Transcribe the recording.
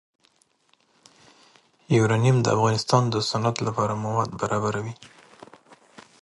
یورانیم د افغانستان د صنعت لپاره مواد برابروي.